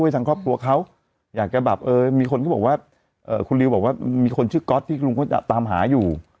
ตัวเขาอยากแกบอกเออมีคนเขาบอกว่าเอ่อคุณริวบอกว่ามีคนชื่อก็อตที่ลุงเขาจะตามหาอยู่